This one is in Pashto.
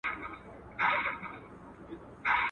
لار یې واخیسته د غره او د لاښونو.